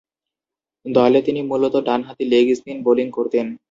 দলে তিনি মূলতঃ ডানহাতি লেগ স্পিন বোলিং করতেন।